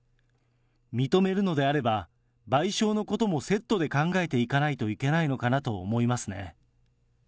認めるのであれば、賠償のこともセットで考えていかないといけないのかなと思いますね。